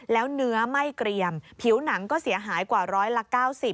แล้วเนื้อไม่เกรียมผิวหนังก็เสียหายกว่าร้อยละ๙๐